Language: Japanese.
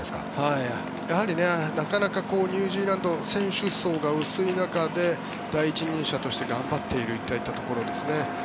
やはり、なかなかニュージーランド選手層が薄い中で第一人者として頑張っているというところですね。